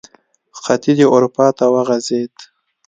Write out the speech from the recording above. ختیځې اروپا ته وغځېد.